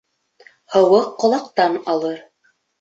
Һыуыҡ ҡолаҡтан алыр.